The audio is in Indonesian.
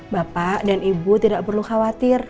bapak dan ibu tidak perlu khawatir